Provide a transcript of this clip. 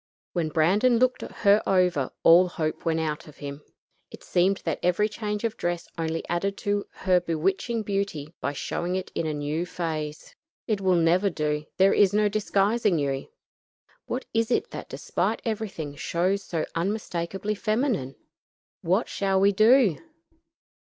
When Brandon looked her over, all hope went out of him. It seemed that every change of dress only added to her bewitching beauty by showing it in a new phase. "It will never do; there is no disguising you. What is it that despite everything shows so unmistakably feminine? What shall we do?